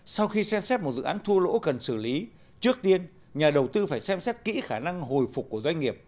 sau khi xem xét một dự án thua lỗ cần xử lý trước tiên nhà đầu tư phải xem xét kỹ khả năng hồi phục của doanh nghiệp